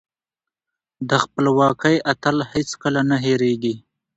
د خپلواکۍ اتل هېڅکله نه هيريږي.